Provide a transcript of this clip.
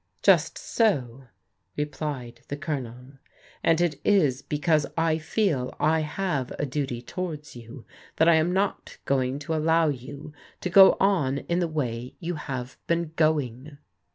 " Just so," replied the Colonel, " and it is because I feel I have a duty towards you that I am not going to allow you to go on in the way you have been going."